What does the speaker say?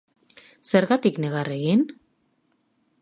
Zergatik negar egin?